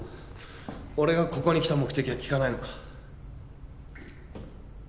俺がここに来た目的は聞かないのか？